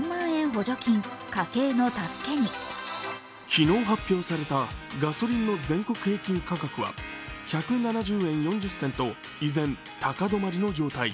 昨日発表されたガソリンの全国平均価格は１７０円４０銭と依然、高止まりの状態。